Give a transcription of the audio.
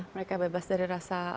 mereka bebas dari rasa